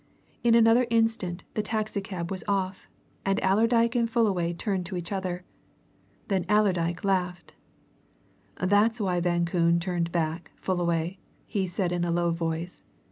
In another instant the taxi cab was off, and Allerdyke and Fullaway turned to each other. Then Allerdyke laughed. "That's why Van Koon turned back, Fullaway," he said in a low voice.